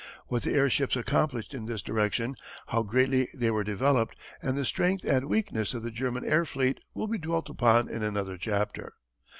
What the airships accomplished in this direction, how greatly they were developed, and the strength and weakness of the German air fleet, will be dwelt upon in another chapter.